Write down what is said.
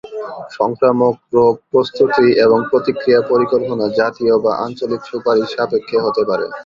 সংক্রামক রোগ প্রস্তুতি এবং প্রতিক্রিয়া পরিকল্পনা জাতীয় বা আঞ্চলিক সুপারিশ সাপেক্ষে হতে পারে।